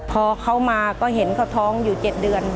พอเขามาก็เห็นเขาท้องอยู่๗เดือน